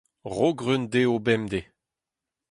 Ro greun dezho bemdez.